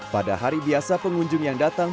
pada hari biasa pengunjung yang datang